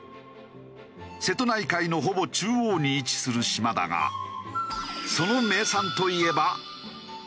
瀬戸内海のほぼ中央に位置する島だがその名産といえばタイ。